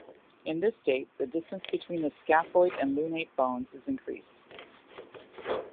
In this state, the distance between the scaphoid and lunate bones is increased.